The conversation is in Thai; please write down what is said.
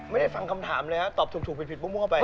ไม่ได้ฟังคำถามเลยฮะตอบถูกผิดมุ่งเข้าไป